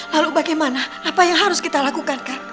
lalu bagaimana apa yang harus kita lakukan kan